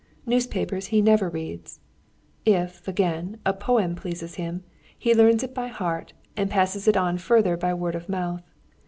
Newspapers he never reads. If, again, a poem pleases him, he learns it by heart, and passes it on further by word of mouth.